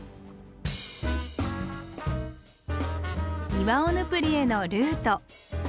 イワオヌプリへのルート。